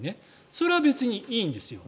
それは別にいいんですよ。